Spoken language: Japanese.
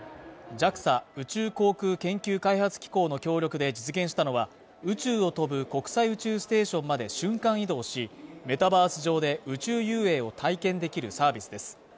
ＪＡＸＡ＝宇宙航空研究開発機構の協力で実現したのは宇宙を飛ぶ国際宇宙ステーションまで瞬間移動しメタバース上で宇宙遊泳を体験できるサービスです